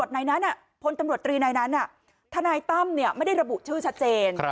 นายนั้นพตตนนั้นทนไม่ได้ระบุชื่อชัดเจน